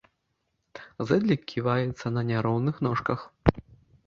Зэдлік ківаецца на няроўных ножках.